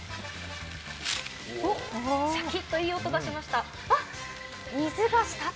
シャキっといい音がしました。